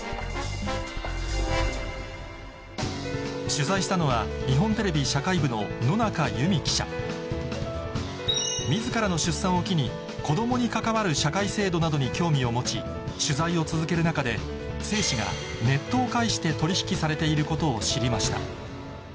取材したのは日本テレビ自らの出産を機に子供に関わる社会制度などに興味を持ち取材を続ける中で精子がネットを介して取引されていることを知りました